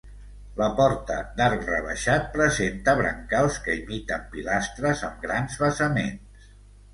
La porta d'arc rebaixat presenta brancals que imiten pilastres, amb grans basaments.